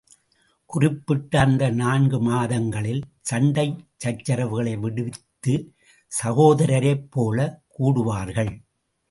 குறிப்பிட்ட அந்த நான்கு மாதங்களில் சண்டைச் சச்சரவுகளை விடுவித்துச் சகோதரரைப் போலக் கூடுவார்கள்.